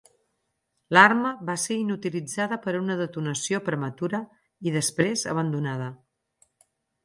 L'arma va ser inutilitzada per una detonació prematura i després abandonada.